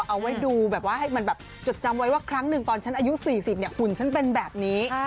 เอาไว้ดูแบบว่าให้มันแบบจดจำไว้ว่าครั้งหนึ่งตอนฉันอายุ๔๐หุ่นฉันเป็นแบบนี้